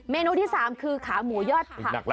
เนื้อที่๓คือขาหมูยอดผัก